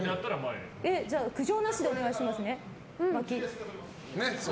苦情なしでお願いしますね。